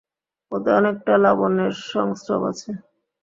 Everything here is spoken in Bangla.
ওতে অনেকটা লাবণ্যের সংস্রব আছে।